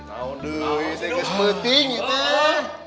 aduh iya kesempatin ini